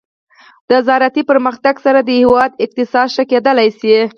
د زراعتي پرمختګ سره د هیواد اقتصاد ښه کیدلی شي.